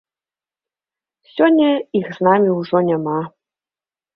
Сёння іх з намі ўжо няма.